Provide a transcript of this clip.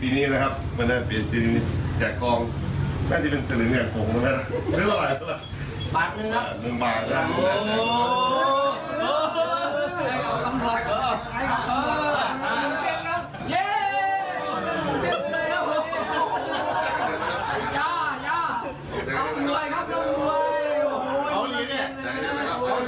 น้ำเซ็นครับเย้น้ำเซ็นไปเลยย่าย่าต้องรวยครับต้องรวย